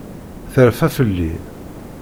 Terfa fell-i.